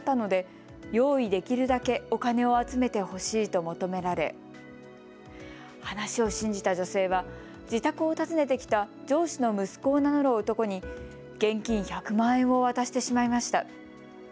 できるだけお金を集めてほしいと求められ話を信じた女性は自宅を訪ねてきた上司の息子を名乗る男に現金１００万円を渡してしまいました。